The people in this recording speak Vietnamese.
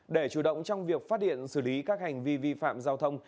để chủ động trong việc phát điện xử lý các hành vi vi phạm giao thông